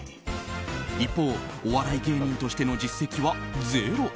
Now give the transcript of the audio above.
一方、お笑い芸人としての実績はゼロ。